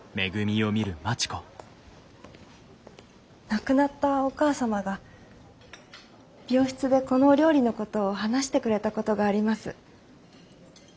亡くなったお母様が病室でこのお料理のことを話してくれたことがあります。